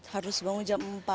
harus bangun jam empat